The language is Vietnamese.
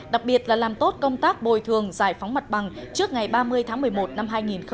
đặc biệt là làm tốt công tác bồi thường giải phóng mặt bằng trước ngày ba mươi tháng một mươi một năm hai nghìn hai mươi